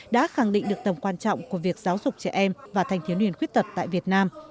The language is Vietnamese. đã khẳng định được tầm quan trọng của việc giáo dục trẻ em và thanh thiếu niên khuyết tật tại việt nam